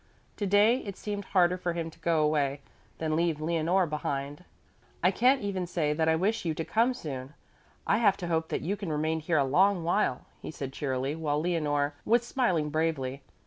To day it seemed harder for him to go away than leave Leonore behind. "I can't even say that I wish you to come soon. I have to hope that you can remain here a long while," he said cheerily, while Leonore was smiling bravely.